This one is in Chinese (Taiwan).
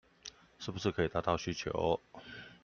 是不是可以達到需求